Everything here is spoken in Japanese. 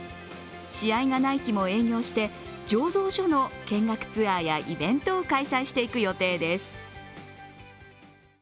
試合がない日も営業して醸造所の見学ツアーやイベントを開催していく予定です。